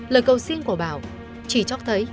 lời cầu xin của bảo chỉ cho thấy